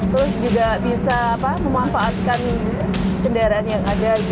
terus juga bisa memanfaatkan kendaraan yang ada